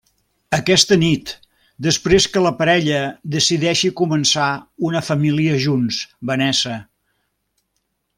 Aquesta nit, després que la parella decideixi començar una família junts, Vanessa.